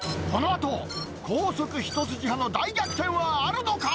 このあと、高速一筋派の大逆転はあるのか？